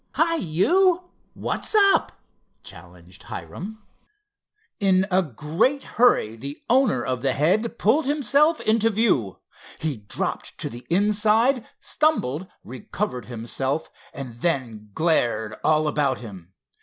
"Hi, you! what's up?" challenged Hiram. In a great hurry, the owner of the head pulled himself into view. He dropped to the inside, stumbled, recovered himself and then glared all about him.